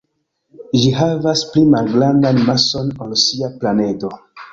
Ĝi havas pli malgrandan mason ol sia planedo.